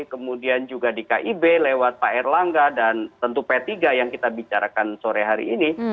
kemudian juga di kib lewat pak erlangga dan tentu p tiga yang kita bicarakan sore hari ini